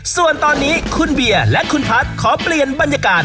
ส่วนตอนนี้คุณเบียร์และคุณพัฒน์ขอเปลี่ยนบรรยากาศ